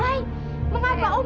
woy mengapa om